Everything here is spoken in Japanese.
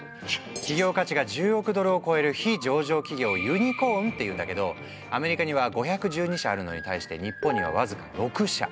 企業価値が１０億ドルを超える非上場企業を「ユニコーン」っていうんだけどアメリカには５１２社あるのに対して日本には僅か６社。